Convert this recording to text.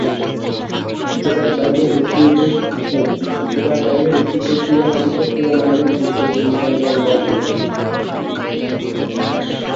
যেটার বাইরে রশি পেঁচিয়ে মাটিতে ছুড়ে মারলেই ঘুরতে শুরু করে বনবন করে।